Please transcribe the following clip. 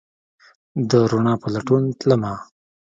د روڼا په لټون تلمه